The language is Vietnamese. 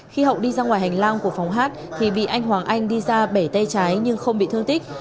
khi hậu đi ra ngoài hành lang của phòng hát thì bị anh hoàng anh đi ra bể tay trái nhưng không bị thương tích